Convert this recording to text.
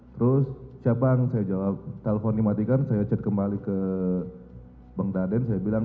terus siap bang saya jawab nelfon dimatikan saya chat kembali ke bang dadin saya bilang